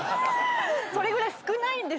それぐらい少ないんです。